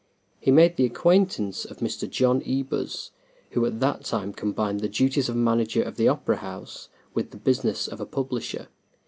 He made the acquaintance of Mr. John Ebers, who at that time combined the duties of manager of the Opera House with the business of a publisher.